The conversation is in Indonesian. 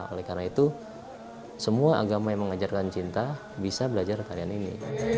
oleh karena itu semua agama yang mengajarkan cinta bisa belajar tarian ini